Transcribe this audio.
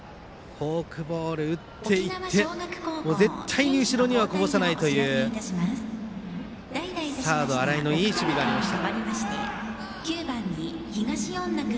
フォークボールを打っていって絶対後ろにはこぼさないというサード新井のいい守備がありました。